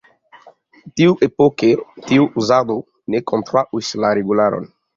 Tiuepoke tia uzado ne kontraŭis la regularon.